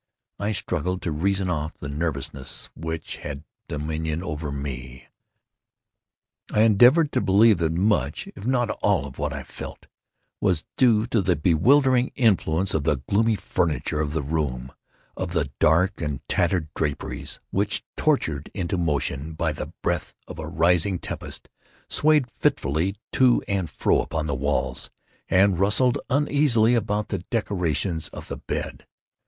I struggled to reason off the nervousness which had dominion over me. I endeavored to believe that much, if not all of what I felt, was due to the bewildering influence of the gloomy furniture of the room—of the dark and tattered draperies, which, tortured into motion by the breath of a rising tempest, swayed fitfully to and fro upon the walls, and rustled uneasily about the decorations of the bed.